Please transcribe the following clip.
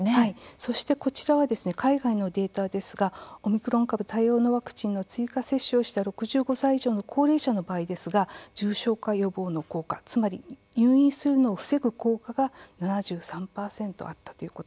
そして、こちらは海外のデータですがオミクロン株対応のワクチンの追加接種をした６５歳以上の高齢者の場合ですが重症化予防の効果つまり入院するのを防ぐ効果が７３％あったということなんです。